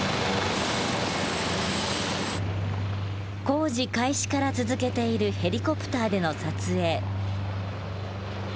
工事開始から続けているヘリコプターでの撮影。